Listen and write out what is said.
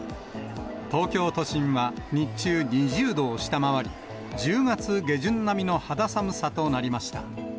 東京都心は日中、２０度を下回り、１０月下旬並みの肌寒さとなりました。